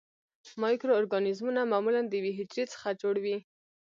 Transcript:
مایکرو ارګانیزمونه معمولاً د یوې حجرې څخه جوړ وي.